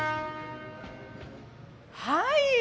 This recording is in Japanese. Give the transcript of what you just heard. はい。